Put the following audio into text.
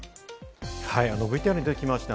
ＶＴＲに出てきました